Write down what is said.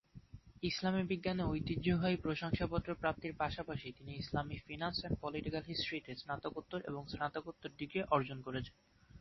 ইসলামী বিজ্ঞানে ঐতিহ্যবাহী প্রশংসাপত্র প্রাপ্তির পাশাপাশি তিনি ইসলামিক ফিনান্স অ্যান্ড পলিটিকাল হিস্ট্রি-তে স্নাতকোত্তর এবং স্নাতকোত্তর ডিগ্রি অর্জন করেছেন।